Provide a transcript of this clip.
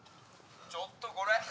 ちょっとこれ。